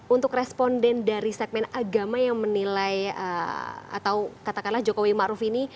untuk responden dari segmen agama yang menilai atau katakanlah jokowi ma'ruf ini